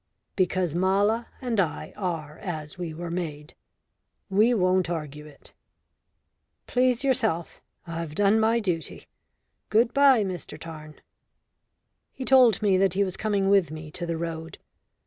"Because Mala and I are as we were made. We won't argue it." "Please yourself. I've done my duty. Good bye, Mr Tarn." He told me that he was coming with me to the road.